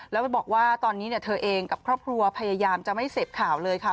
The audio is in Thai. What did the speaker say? แล้วไปบอกว่าตอนนี้เธอเองกับครอบครัวพยายามจะไม่เสพข่าวเลยค่ะ